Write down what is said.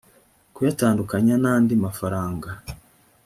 kuyatandukanya n andi mafaranga